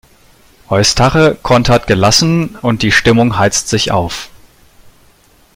Eustache kontert gelassen und die Stimmung heizt sich auf.